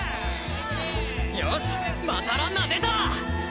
よしっまたランナー出たァ！